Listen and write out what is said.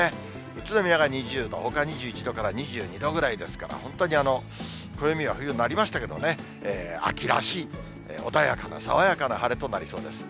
宇都宮が２０度、ほか２１度から２２度ぐらいですから、本当に暦は冬になりましたけどね、秋らしい、穏やかな、爽やかな晴れとなりそうです。